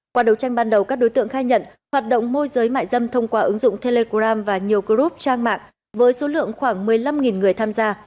qua đấu tranh ban đầu các đối tượng khai nhận hoạt động môi giới mại dâm thông qua ứng dụng telegram và nhiều group trang mạng với số lượng khoảng một mươi năm người tham gia